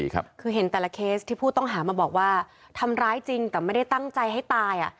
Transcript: คือเห็นแต่ละเคสที่ผู้ต้องหามาบอกว่าทำร้ายจริงแต่ไม่ได้ตั้งใจให้ตายอ่ะ